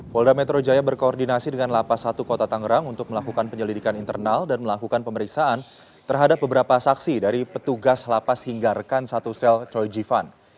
polda metro jaya berkoordinasi dengan lapas satu kota tangerang untuk melakukan penyelidikan internal dan melakukan pemeriksaan terhadap beberapa saksi dari petugas lapas hingga rekan satu sel choi jivan